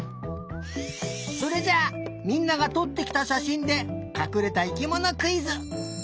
それじゃあみんながとってきたしゃしんでかくれた生きものクイズ！